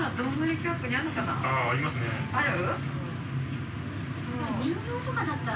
ある？